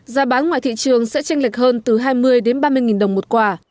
giá bán ngoài thị trường sẽ tranh lệch hơn từ hai mươi ba mươi đồng một quả